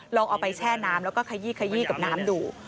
ลองเอาไปแช่น้ำแล้วก็ขยี้ขยี้กับน้ำดู